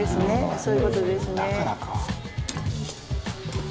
そういう事ですね。